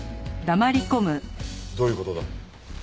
どういう事だ？